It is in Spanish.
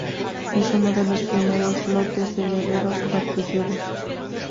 Es uno de los primeros lotes de guerreros patrulleros.